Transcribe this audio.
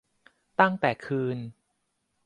ตั้งแต่คืน